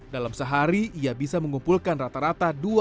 dalam sehari ia bisa mengumpulkan rata rata